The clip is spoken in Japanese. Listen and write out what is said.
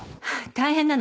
大変なの。